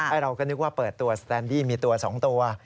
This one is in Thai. เราก็นึกว่าเปิดตัวสแตนดี้มีตัว๒ตัว